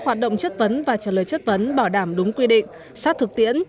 hoạt động chất vấn và trả lời chất vấn bảo đảm đúng quy định sát thực tiễn